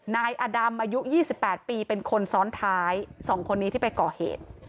นายอดำอายุ๒๘ปีเป็นคนซ้อนท้าย๒คนนี้ที่ไปก่อเหตุ